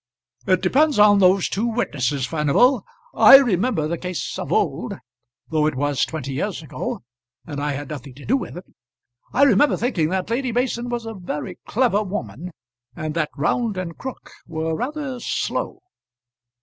"It depends on those two witnesses, Furnival. I remember the case of old, though it was twenty years ago, and I had nothing to do with it. I remember thinking that Lady Mason was a very clever woman, and that Round and Crook were rather slow."